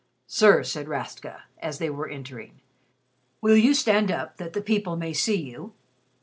"Sir," said Rastka, as they were entering, "will you stand up that the people may see you?